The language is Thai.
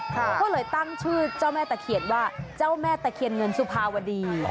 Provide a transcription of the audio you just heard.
ก็เลยตั้งชื่อเจ้าแม่ตะเคียนว่าเจ้าแม่ตะเคียนเงินสุภาวดี